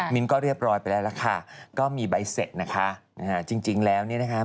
นก็เรียบร้อยไปแล้วล่ะค่ะก็มีใบเสร็จนะคะจริงแล้วเนี่ยนะคะ